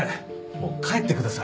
もう帰ってください。